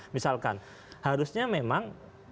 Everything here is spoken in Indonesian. misalkan harusnya memang